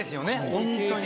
本当に。